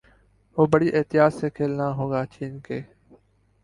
وہ بڑی احتیاط سے کھیلنا ہوگا چین کے